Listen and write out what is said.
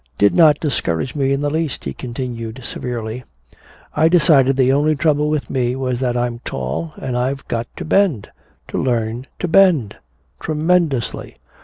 "Did not discourage me in the least," he continued severely. "I decided the only trouble with me was that I'm tall and I've got to bend to learn to bend." "Tremendously!"